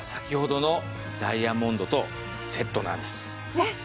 えっ？